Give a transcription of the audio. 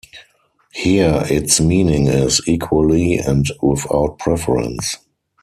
Here its meaning is "equally and without preference".